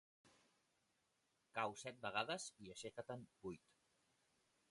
Cau set vegades i aixeca-te'n vuit.